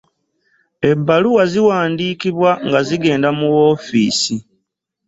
Ebbaluwa ziwandiikibwa nga zigenda mu woofiisi.